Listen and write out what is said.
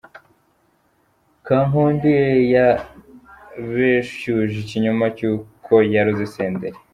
Kankundiye yabeshyuje ikinyoma cy'uko yaroze Senderi.